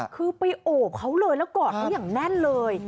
คือไปโอบเขาเลยแล้วกอดเขาอย่างแน่นเลย